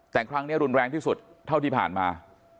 แต่ครั้งนี้รุนแรงที่สุดเท่าที่ผ่านมา